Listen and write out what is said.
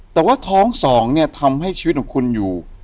แต่ว่าท้องสองเนี่ยทำให้ชีวิตของคุณอยู่